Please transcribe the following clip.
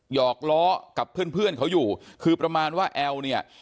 หอกล้อกับเพื่อนเพื่อนเขาอยู่คือประมาณว่าแอลเนี่ย